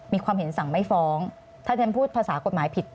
มีความเห็นสั่งไม่ฟ้องถ้าฉันพูดภาษากฎหมายผิด